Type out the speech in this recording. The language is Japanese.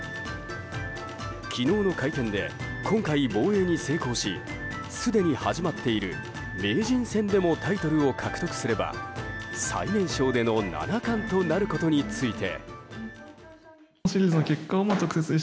昨日の会見で今回、防衛に成功しすでに始まっている名人戦でもタイトルを獲得すれば最年少での七冠となることについて。